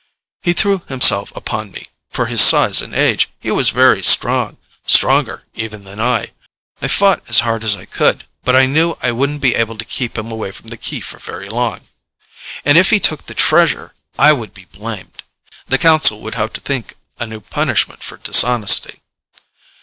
He threw himself upon me. For his size and age, he was very strong stronger, even, than I. I fought as hard as I could, but I knew I wouldn't be able to keep him away from the Key for very long. And if he took the Treasure, I would be blamed. The council would have to think a new punishment for dishonesty.